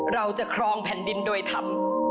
เราจะครองแผ่นดินโดยธรรม